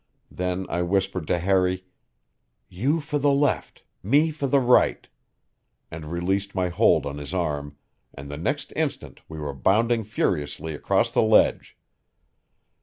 Then I whispered to Harry: "You for the left, me for the right," and released my hold on his arm, and the next instant we were bounding furiously across the ledge.